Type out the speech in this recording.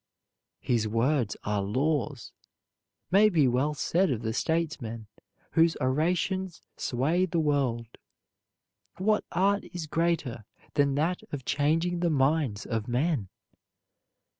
"His words are laws" may be well said of the statesmen whose orations sway the world. What art is greater than that of changing the minds of men?